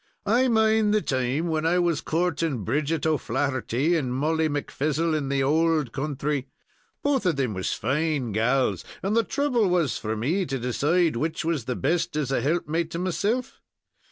I mind the time when I was coorting Bridget O'Flaherty and Mollie McFizzle, in the ould counthry. Both of 'em was fine gals, and the trouble was for me to decide which was the best as a helpmate to meself.